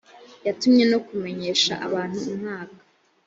yantumye no kumenyesha abantu umwaka